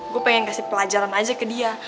gue pengen kasih pelajaran aja ke dia